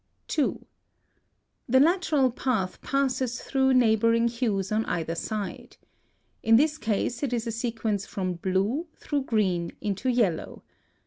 (160) 2. The lateral path passes through neighboring hues on either side. In this case it is a sequence from blue, through green into yellow.